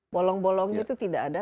bolong bolong itu tidak ada